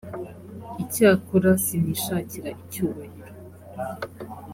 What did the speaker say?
icyakora sinishakira icyubahiro